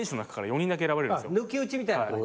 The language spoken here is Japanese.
抜き打ちみたいな感じ。